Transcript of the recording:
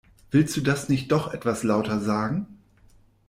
Willst du das nicht noch etwas lauter sagen?